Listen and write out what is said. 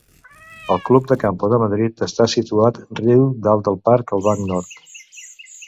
El Club de camp de Madrid està situat riu dalt del parc al banc nord.